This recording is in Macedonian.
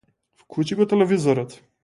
Вклучи го телевизорот.